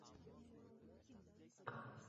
vakolatli davlat organiga yoki sudga murojaat etish;